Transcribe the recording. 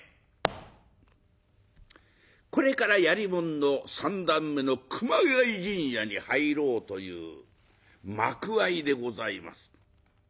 これからやりものの三段目の「熊谷陣屋」に入ろうという幕間でございます。